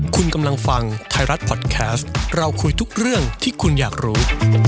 คุณกำลังฟังไทยรัฐพอดแคสต์เราคุยทุกเรื่องที่คุณอยากรู้